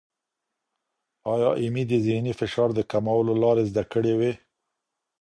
ایا ایمي د ذهني فشار د کمولو لارې زده کړې وې؟